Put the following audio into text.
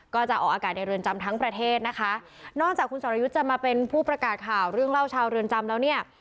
ก็จะออกอากาศในเรือนจำทั้งประเทศนะคะนอกจากคุณสรยุทธ์จะมาเป็นผู้ประกาศข่าวเรื่องเล่าชาวเรือนจำแล้วเนี่ย